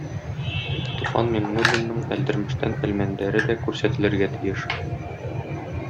Туфан Миңнуллинның "Әлдермештән Әлмәндәре" дә күрсәтелергә тиеш.